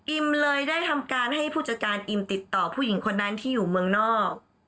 เลยได้ทำการให้ผู้จัดการอิมติดต่อผู้หญิงคนนั้นที่อยู่เมืองนอก